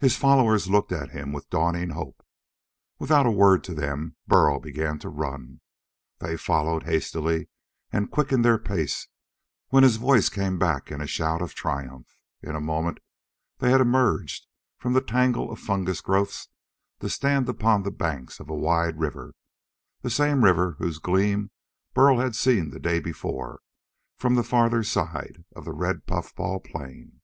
His followers looked at him with dawning hope. Without a word to them, Burl began to run. They followed hastily and quickened their pace when his voice came back in a shout of triumph. In a moment they had emerged from the tangle of fungus growths to stand upon the banks of a wide river the same river whose gleam Burl had seen the day before, from the farther side of the red puffball plain.